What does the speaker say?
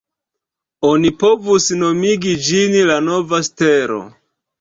Oni povus nomi ĝin la “Nova Stelo”.